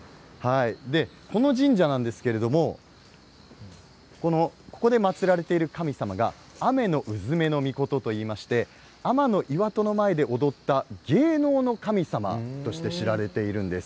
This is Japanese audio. この神社なんですけれどもここで祭られている神様が天宇受売命あめのうずめのみことといいまして天岩戸の前で踊った芸能の神様として知られているんです。